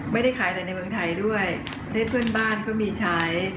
ไม่ได้ขายแต่ในเมืองไทยด้วยได้เพื่อนบ้านก็มีใช้